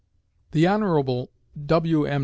The Hon. W.M.